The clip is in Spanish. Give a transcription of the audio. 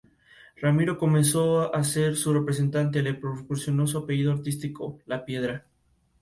Insistía a sus hombres que tenían que mantener los pies secos, que debían cuidarlos.